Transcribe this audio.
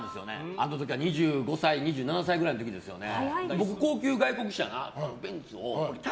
あの時は２５歳２７歳くらいの時ですよね。